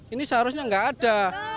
ini seharusnya gak ada